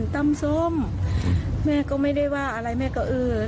ตำส้มแม่ก็ไม่ได้ว่าอะไรแม่ก็เออ